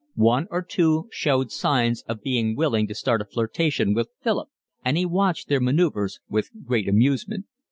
One or two showed signs of being willing to start a flirtation with Philip, and he watched their manoeuvres with grave amusement.